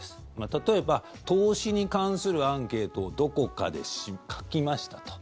例えば投資に関するアンケートをどこかで書きましたと。